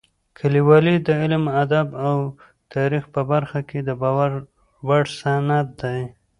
لیکوالی د علم، ادب او تاریخ په برخه کې د باور وړ سند دی.